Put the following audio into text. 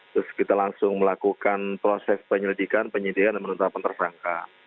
terus kita langsung melakukan proses penyelidikan penyidikan dan penetapan tersangka